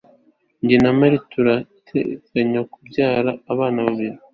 Jye na Mary turateganya kubyara abana babiri